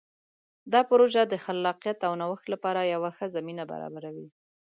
دا پروژه د خلاقیت او نوښت لپاره یوه ښه زمینه برابروي.